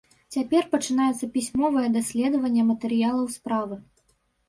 Цяпер пачынаецца пісьмовае даследаванне матэрыялаў справы.